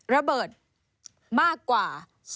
ระเบิดมากกว่า